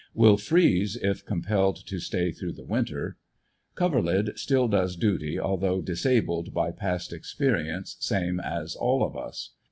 Will freeze if compelled to stay through the winter. Coverlid still does duty although disabled by past experience, same as all of us.